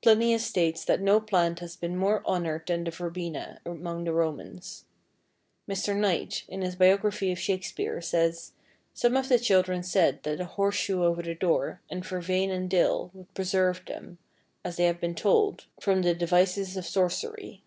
Plinius states that no plant has been more honored than the Verbena among the Romans. Mr. Knight, in his biography of Shakespeare, says: "Some of the children said that a horseshoe over the door, and Vervain and dill, would preserve them, as they had been told, from the devices of sorcery."